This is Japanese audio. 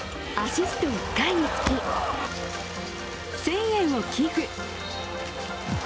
アシスト１回につき、１０００円を寄付。